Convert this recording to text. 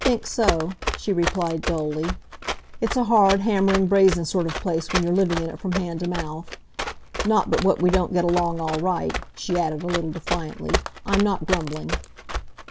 "Think so," she replied dully. "It's a hard, hammering, brazen sort of place when you're living in it from hand to mouth. Not but what we don't get along all right," she added, a little defiantly. "I'm not grumbling."